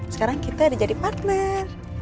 sekarang kita jadi partner